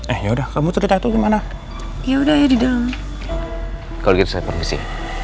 eh yaudah kamu cerita itu gimana ya udah ya di dalam kalau gitu saya permisi